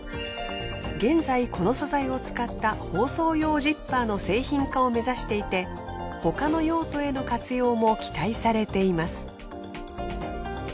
現在この素材を使った包装用ジッパーの製品化を目指していて他の用途への活用も期待されています。